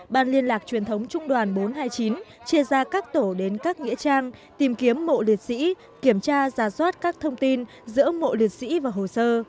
ban liên lạc truyền thống trung đoàn bốn trăm hai mươi chín chia ra các tổ đến các nghĩa trang tìm kiếm mộ liệt sĩ kiểm tra giả soát các thông tin giữa mộ liệt sĩ và hồ sơ